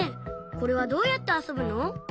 これはどうやってあそぶの？